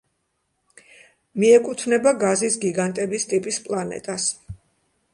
მიეკუთვნება გაზის გიგანტების ტიპის პლანეტას.